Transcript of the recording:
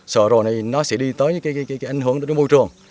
sợ rồi này nó sẽ đi tới cái ảnh hưởng đến cái môi trường